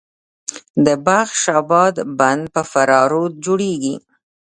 د بخش اباد بند په فراه رود جوړیږي